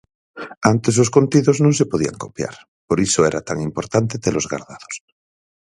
Antes os contidos non se podía copiar, por iso era tan importante telos gardados.